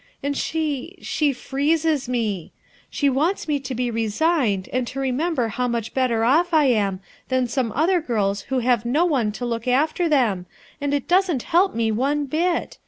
and she —she freezes met she wants me to be resigned, and to remember how much better off I am than gome other girU who have no one to look after them, and it doesn't help me one bit.